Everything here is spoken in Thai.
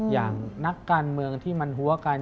อย่างนักการเมืองที่มันหัวกัน